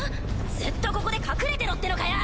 ずっとここで隠れてろってのかよ！